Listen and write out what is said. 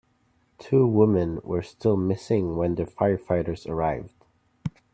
Two women were still missing when the firefighters arrived.